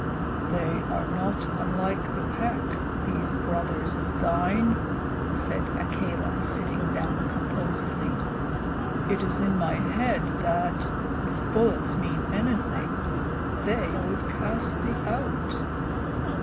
"They are not unlike the Pack, these brothers of thine," said Akela, sitting down composedly. "It is in my head that, if bullets mean anything, they would cast thee out."